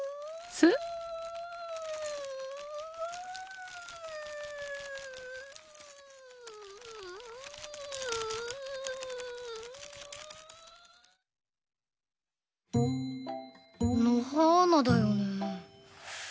ぷ。のはーなだよね？